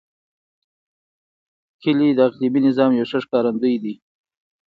کلي د اقلیمي نظام یو ښه ښکارندوی دی.